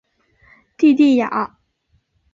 蒂蒂雅。